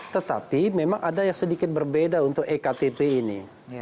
tetapi memang ada yang sedikit berbeda untuk ektp ini